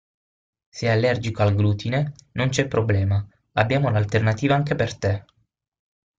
Sei allergico al glutine? Non c'è problema, abbiamo l'alternativa anche per te!